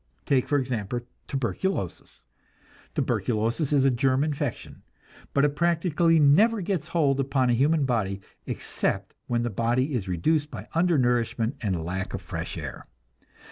Take, for example, tuberculosis. Tuberculosis is a germ infection, but it practically never gets hold upon a human body except when the body is reduced by undernourishment and lack of fresh air.